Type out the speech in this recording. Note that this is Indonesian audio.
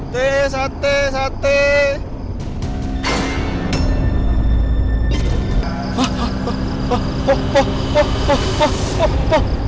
teh sateh sateh